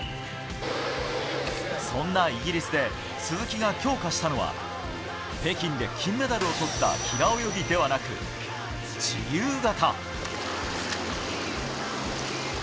そんなイギリスで鈴木が強化したのは北京で金メダルを取った平泳ぎではなく自由形。